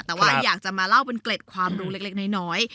แต่ว่าอยากจะมาเล่าเป็นเกล็ดความรู้เล็กน้อย